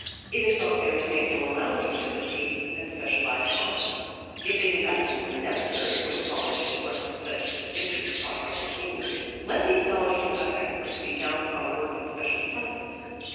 It is not fair to make no allowance for different tastes and specialized talents. If it is absolutely necessary for the college to thrust such distinctions upon helpless seniors, let the acknowledgment of ex cellence be founded upon work in special departments.